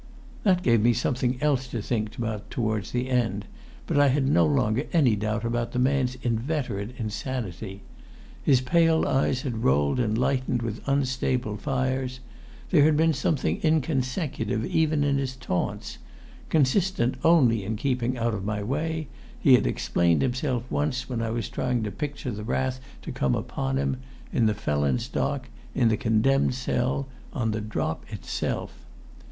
That gave me something else to think about towards the end; but I had no longer any doubt about the man's inveterate insanity. His pale eyes had rolled and lightened with unstable fires. There had been something inconsecutive even in his taunts. Consistent only in keeping out of my way, he had explained himself once when I was trying to picture the wrath to come upon him, in the felon's dock, in the condemned cell, on the drop itself.